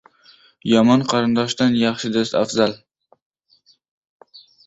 • Yomon qarindoshdan yaxshi do‘st afzal.